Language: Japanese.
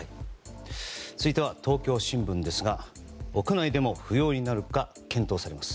続いては東京新聞ですが屋外でも不要になるか検討されます。